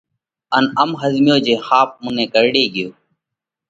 ان ام ۿزميو جي ۿاپ مُون نئہ ڪرڙي ڳيوه۔